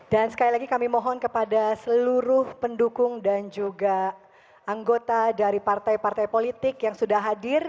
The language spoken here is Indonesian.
dan sekali lagi kami mohon kepada seluruh pendukung dan juga anggota dari partai partai politik yang sudah hadir